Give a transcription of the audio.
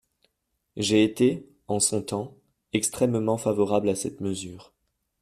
J’ai été, en son temps, extrêmement favorable à cette mesure.